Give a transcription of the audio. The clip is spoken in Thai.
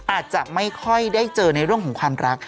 อาจจะไม่ค่อยได้เจอในเรื่องของความรัก